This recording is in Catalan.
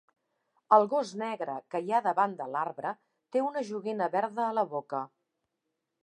El gos negre que hi ha davant de l'arbre té una joguina verda a la boca